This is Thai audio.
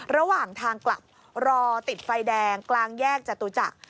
ระหว่างทางกลับรอติดไฟแดงกลางแยกจตุจักร